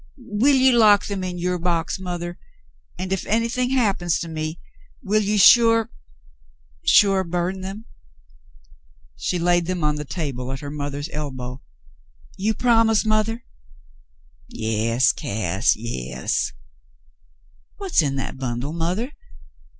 Will you lock them in your box, mother, and if, anything hap pens to me, will you sure — sure burn them ?" She laid them on the table at her mother's elbow. "You promise, mothah ?" 'Yas, Cass, yas." What's in that bundle, mothah